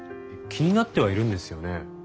気になってはいるんですよね？